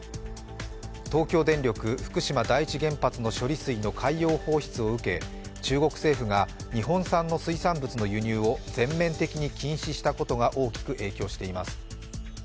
東京電力・福島第一原発の処理水の海洋放出を受け中国政府が日本産の水産物の輸入を全面的に禁止したことが大きく影響しています。